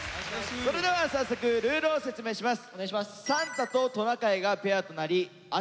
それでは早速ルールを説明します。